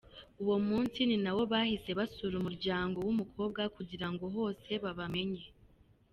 Uwo munsi munsi ni nawo bahise basura umuryango w’umukobwa kugira ngo hose babamenye.